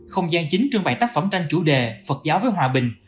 không gian chính trưng bày tác phẩm tranh chủ đề phật giáo với hòa bình